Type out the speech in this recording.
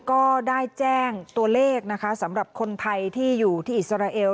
ก็ได้แจ้งตัวเลขนะคะสำหรับคนไทยที่อยู่ที่อิสราเอล